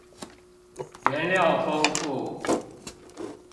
原料豐富